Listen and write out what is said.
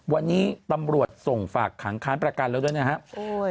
วันนี้ตำรวจส่งฝากขังค้านประกันแล้วด้วยนะครับ